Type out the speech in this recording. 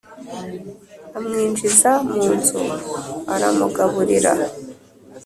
amwinjiza mu nzu aramugaburira;